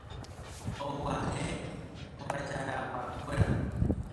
og̃uahẽ ogajarakuéra.